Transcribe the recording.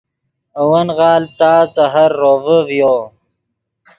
اے ون غالڤ تا سحر روڤے ڤیو